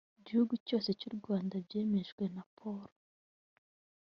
gihugu cyose cy u rwanda byemejwe na polo